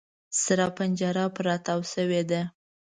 سره پنجره پر را تاو شوې ده.